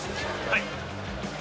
はい。